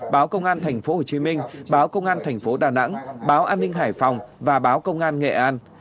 báo công an tp hcm báo công an thành phố đà nẵng báo an ninh hải phòng và báo công an nghệ an